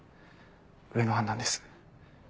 上の判断です。